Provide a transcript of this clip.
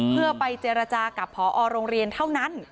เพื่อไปเจรจากับพอโรงเรียนเท่านั้น